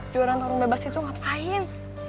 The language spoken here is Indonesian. juaraan tahun bebas itu ngapain